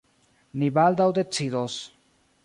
Ni baldaŭ decidos.